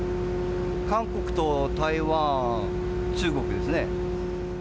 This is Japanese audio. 韓国と台湾、中国ですね。